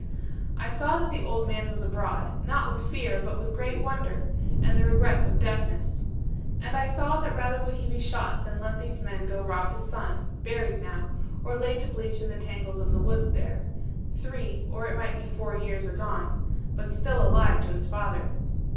I saw that the old man was abroad; not with fear, but with great wonder, and the regrets of deafness. And I saw that rather would he be shot than let these men go rob his son, buried now, or laid to bleach in the tangles of the wood, three, or it might be four years agone, but still alive to his father.